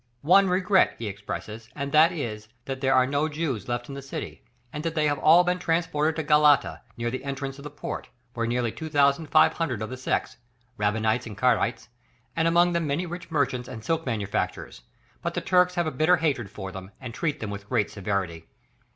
One regret he expresses, and that is, that there are no Jews left in the City, and that they have all been transported to Galata, near the entrance of the port, where are nearly two thousand five hundred of the sects (Rabbinites and Caraites), and among them many rich merchants and silk manufacturers, but the Turks have a bitter hatred for them, and treat them with great severity.